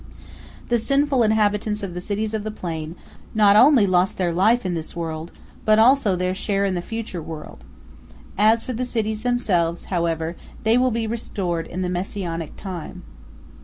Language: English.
" The sinful inhabitants of the cities of the plain not only lost their life in this world, but also their share in the future world. As for the cities themselves, however, they will be restored in the Messianic time.